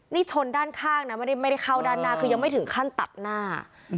นี่ชนด้านข้างนะไม่ได้เข้าด้านหน้าคือยังไม่ถึงขั้นตัดหน้า